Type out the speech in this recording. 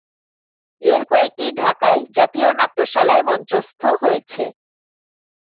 এর কয়েকটি ঢাকায় জাতীয় নাট্যশালায় মঞ্চস্থ হয়েছে।